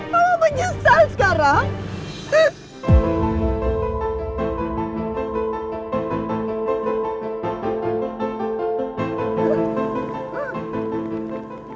mama menyesal sekarang